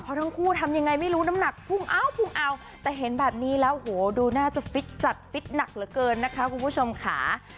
เพราะทั้งคู่ทำยังไงไม่รู้น้ำหนักพุ่งเอาพุ่งเอาแต่เห็นแบบนี้แล้วโหดูน่าจะฟิตจัดฟิตหนักเหลือเกินนะคะคุณผู้ชมค่ะ